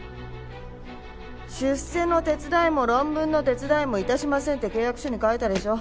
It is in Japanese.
出世の手伝いも論文の手伝いも致しませんって契約書に書いたでしょ。